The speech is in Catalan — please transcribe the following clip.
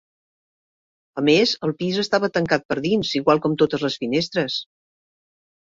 A més, el pis estava tancat per dins, igual com totes les finestres.